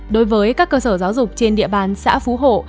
đối với các cơ sở giáo dục trên địa bàn xã phú hộ